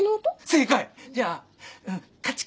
正解。